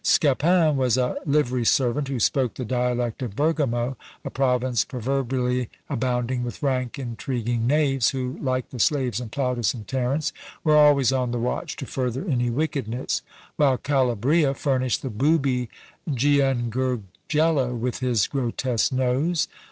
Scapin was a livery servant who spoke the dialect of Bergamo, a province proverbially abounding with rank intriguing knaves, who, like the slaves in Plautus and Terence, were always on the watch to further any wickedness; while Calabria furnished the booby Giangurgello with his grotesque nose.